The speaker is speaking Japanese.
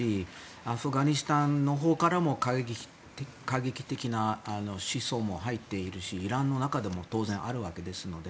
アフガニスタンからのほうからも過激的な思想も入っているしイランの中でも当然あるわけですので。